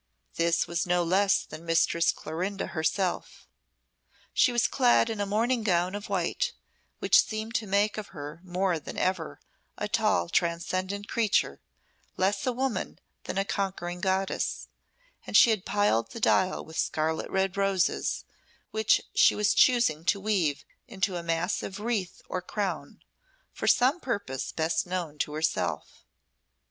This was no less than Mistress Clorinda herself. She was clad in a morning gown of white, which seemed to make of her more than ever a tall, transcendent creature, less a woman than a conquering goddess; and she had piled the dial with scarlet red roses, which she was choosing to weave into a massive wreath or crown, for some purpose best known to herself.